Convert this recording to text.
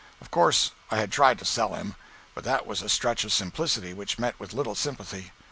Of course I had tried to sell him; but that was a stretch of simplicity which met with little sympathy.